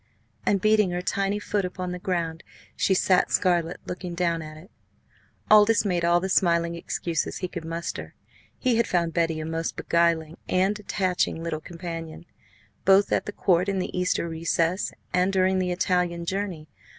and, beating her tiny foot upon the ground, she sat, scarlet, looking down at it. Aldous made all the smiling excuses he could muster. He had found Betty a most beguiling and attaching little companion, both at the Court in the Easter recess, and during the Italian journey.